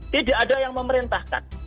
tidak ada yang memerintahkan